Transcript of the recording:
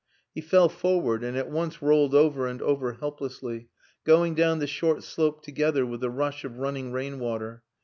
He fell forward, and at once rolled over and over helplessly, going down the short slope together with the rush of running rain water.